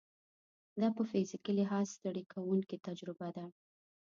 دا په فزیکي لحاظ ستړې کوونکې تجربه ده.